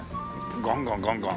ガンガンガンガン。